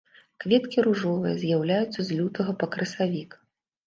Кветкі ружовыя, з'яўляюцца з лютага па красавік.